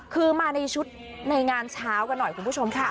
คือมาในชุดในงานเช้ากันหน่อยคุณผู้ชมค่ะ